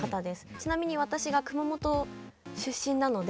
ちなみに私が熊本出身なので。